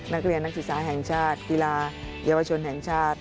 นักเรียนนักศึกษาแห่งชาติกีฬาเยาวชนแห่งชาติ